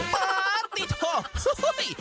ปาติโทษโอ้โฮ